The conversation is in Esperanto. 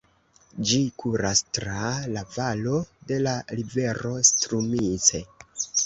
Ĝi kuras tra la valo de la rivero Strumice.